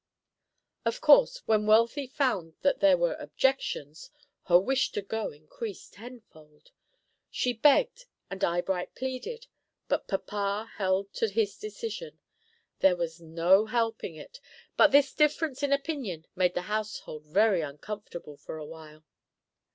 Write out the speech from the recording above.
Of course, when Wealthy found that there were objections, her wish to go increased tenfold. She begged, and Eyebright pleaded, but papa held to his decision. There was no helping it, but this difference in opinion made the household very uncomfortable for a while.